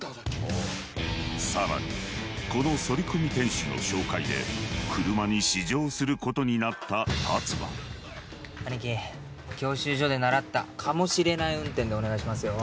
さらにこのソリコミ店主の紹介で車に試乗することになった龍はアニキ教習所で習った「かもしれない運転」でお願いしますよ。